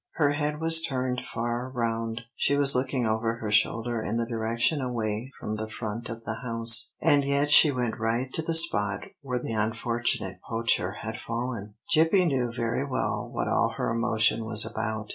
Her head was turned far round, she was looking over her shoulder in the direction away from the front of the house, and yet she went right to the spot where the unfortunate Poacher had fallen. Gippie knew very well what all her emotion was about.